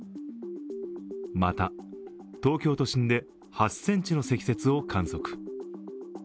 また、東京都心で８ｃｍの積雪を観測。